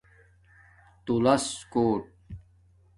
تُݸلس کوٹ